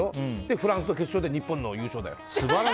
フランスと決勝で日本の優勝だよ。